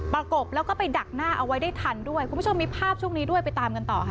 กบแล้วก็ไปดักหน้าเอาไว้ได้ทันด้วยคุณผู้ชมมีภาพช่วงนี้ด้วยไปตามกันต่อค่ะ